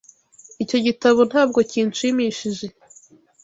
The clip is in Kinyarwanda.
Icyo gitabo ntabwo kinshimishije.